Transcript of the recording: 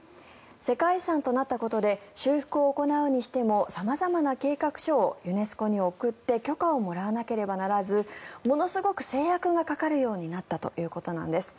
世界遺産となったことで修復を行うにしても様々な計画書をユネスコに送って許可をもらわなければならずものすごく制約がかかるようになったということなんです。